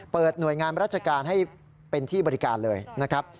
หน่วยงานราชการให้เป็นที่บริการเลยนะครับ